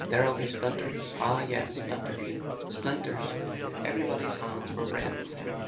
There'll be splinters. . Ah, yes, splinters, splinters ... everybody's hands were red with them!